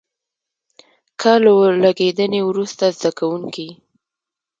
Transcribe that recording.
که له اور لګېدنې وروسته زده کوونکي.